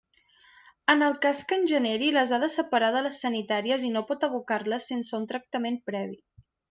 En el cas que en generi, les ha de separar de les sanitàries i no pot abocar-les sense un tractament previ.